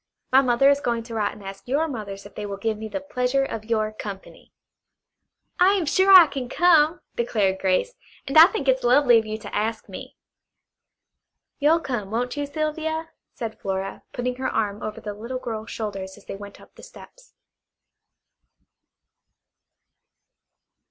My mother is going to write and ask your mothers if they will give me the pleasure of your company." "I am sure I can come," declared Grace, "and I think it's lovely of you to ask me." "You'll come, won't you, Sylvia?" said Flora, putting her arm over the little girl's shoulders as they went up the steps.